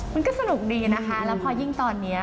มันก็สนุกดีนะคะแล้วพอยิ่งตอนนี้